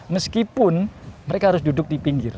meskipun mereka harus duduk di pinggir